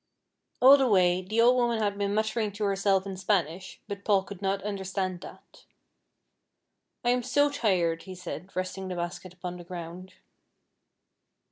All the way the old woman had been muttering to herself in Spanish, but Paul could not understand that. "I am so tired," he said, resting the basket upon the ground.